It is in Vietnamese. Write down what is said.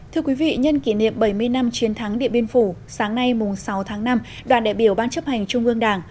thưa quý vị nhân kỷ niệm bảy mươi năm chiến thắng điện biên phủ sáng nay sáu tháng năm đoàn đại biểu ban chấp hành trung ương đảng